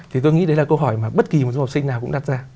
thì tôi nghĩ đấy là câu hỏi mà bất kỳ một du học sinh nào cũng đặt ra